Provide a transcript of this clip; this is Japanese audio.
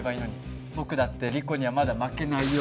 僕だってリコにはまだ負けないよ。